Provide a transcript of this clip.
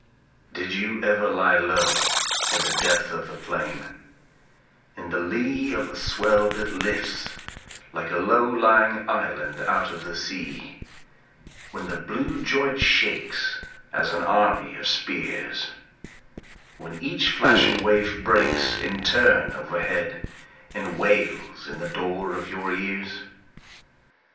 Did you ever lie low In the depth of the plain, & In the lee of a swell that lifts Like a low lying island out of the sea, When the blue joint shakes As an army of spears; When each flashing wave breaks In turn overhead And wails in the door of your ears